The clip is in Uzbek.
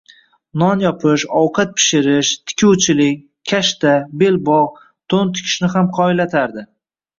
Non yopish, ovqat pishirish, tikuvchilik, kashta, belbog`, to`n tikishni ham qoyillatardi